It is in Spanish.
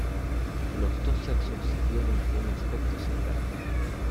Los dos sexos tienen un aspecto similar.